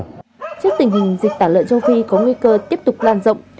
trước tình hình dịch tả lợn châu phi có nguy cơ tiếp tục lan rộng